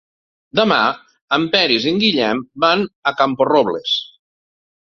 Demà en Peris i en Guillem van a Camporrobles.